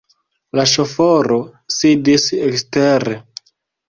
La ŝoforo sidis dekstre.